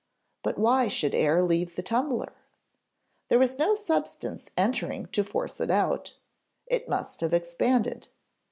But why should air leave the tumbler? There was no substance entering to force it out. It must have expanded.